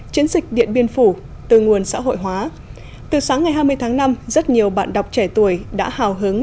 chiến dịch điện biên phủ từ nguồn xã hội hóa từ sáng ngày hai mươi tháng năm rất nhiều bạn đọc trẻ tuổi đã hào hứng